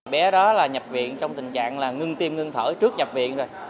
bé đó là nhập viện trong tình trạng là ngưng tim ngưng thở trước nhập viện rồi